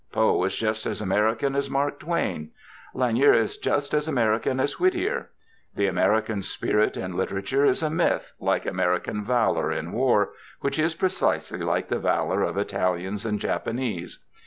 Poe is just as American as Mark Twain; Lanier is just as American as Whittier. The American spirit in literature is a myth, like American valor in war, which is precisely like the valor of Italians and Japanese.